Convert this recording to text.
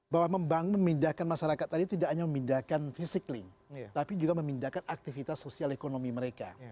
bahwa membangun memindahkan masyarakat tadi tidak hanya memindahkan fisikly tapi juga memindahkan aktivitas sosial ekonomi mereka